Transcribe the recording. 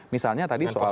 misalnya tadi soal